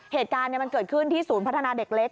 เหตุการณ์มันเกิดขึ้นที่ศูนย์พัฒนาเด็กเล็ก